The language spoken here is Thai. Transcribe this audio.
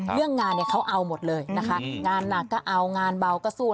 เรื่องงานเขาเอาหมดเลยงานหนักก็เอางานเบาก็สู้